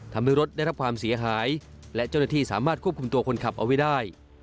ทำให้รถได้รับความเสียหายและเจ้าหน้าที่สามารถควบคุมตัวคนขับเอาไว้ได้